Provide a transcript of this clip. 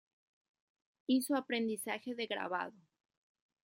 Hizo aprendizaje de grabado.